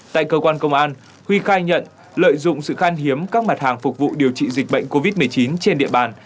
tại cơ quan công an huy khai nhận lợi dụng sự khan hiếm các mặt hàng phục vụ điều trị dịch bệnh covid một mươi chín trên địa bàn